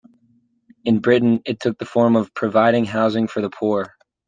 In Britain, it took the form of providing housing for the poor.